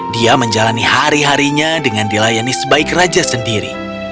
dia menjalani hari harinya dengan dilayani sebaik raja sendiri